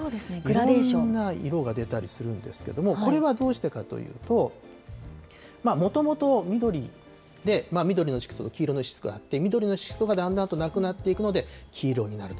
いろんな色が出たりするんですけれども、これはどうしてかというと、もともと緑で、緑の色素と黄色の色素があって、緑の色素がだんだんとなくなっていくので、黄色になると。